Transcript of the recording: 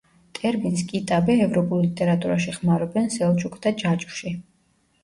ტერმინს „კიტაბე“ ევროპულ ლიტერატურაში ხმარობენ „სელჩუკთა ჯაჭვში“.